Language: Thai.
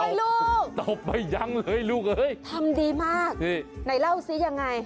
โอ้โฮลูกตบไปยังเลยลูกทำดีมากไหนเล่าสิอย่างไร